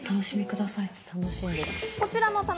こちらの棚